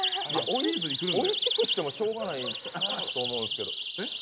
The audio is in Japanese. おいしくしてもしようがないと思うんすけど。